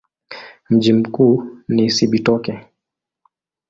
Mji mkuu ni Cibitoke.